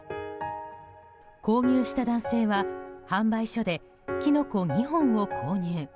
購入した男性は販売所でキノコ２本を購入。